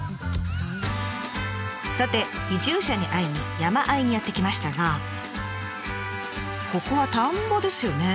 さて移住者に会いに山あいにやって来ましたがここは田んぼですよね？